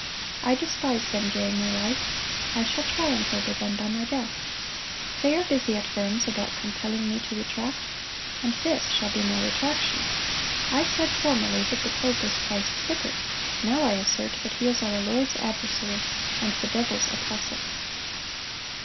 I despise them during my life; I shall triumph over them by my death. They are busy at Worms about compelling me to retract; and this shall be my retraction: I said formerly that the pope was Christ's vicar; now I assert that he is our Lord's adversary, and the devil's apostle."